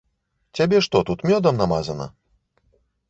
Цябе што, тут мёдам намазана?